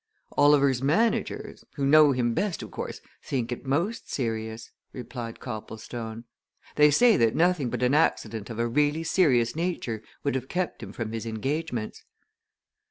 "Oliver's managers who know him best, of course think it most serious," replied Copplestone. "They say that nothing but an accident of a really serious nature would have kept him from his engagements."